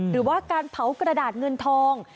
หรือว่าการเผากระดาษเงินทอง